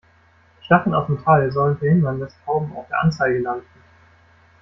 Stacheln aus Metall sollen verhindern, dass Tauben auf der Anzeige landen.